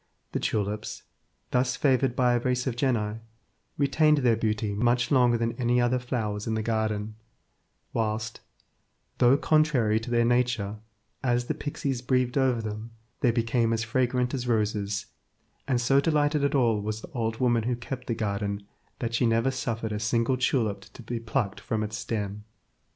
The tulips, thus favoured by a race of genii, retained their beauty much longer than any other flowers in the garden, whilst, though contrary to their nature, as the pixies breathed over them, they became as fragrant as roses, and so delighted at all was the old woman who kept the garden that she never suffered a single tulip to be plucked from its stem.